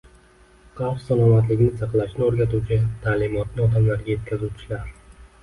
Qalb salomatligini saqlashni o‘rgatuvchi ta’limotni odamlarga yetkazuvchilar